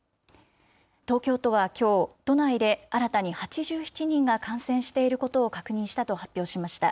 東京都はきょう、都内で新たに８７人が感染していることを確認したと発表しました。